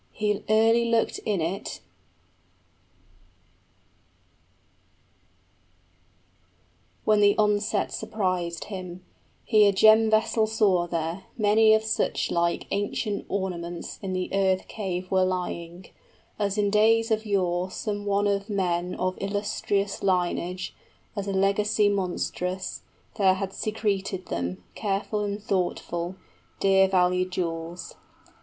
He early looked in it, when the onset surprised him, {The hoard.} 10 He a gem vessel saw there: many of suchlike Ancient ornaments in the earth cave were lying, As in days of yore some one of men of Illustrious lineage, as a legacy monstrous, There had secreted them, careful and thoughtful, 15 Dear valued jewels.